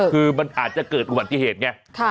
คือมันอาจจะเกิดอุบัติเหตุไง